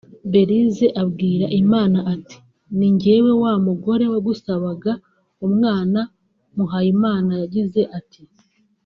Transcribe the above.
Belise abwira Imana ati “Ni njyewe wa mugore wagusabaga umwana” Muhayimana yagize ati